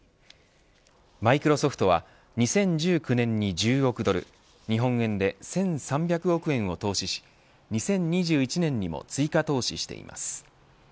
マイクロソフトは２０１９年に１０億ドル日本円で１３００億円を投資し２０２１年にも追加投資しています。